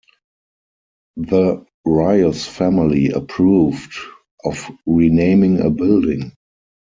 The Rios family approved of renaming a building.